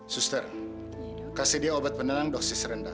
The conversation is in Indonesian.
suster kasih dia obat penenang dosis rendah